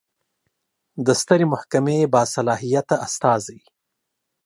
د سترې محکمې باصلاحیته استازی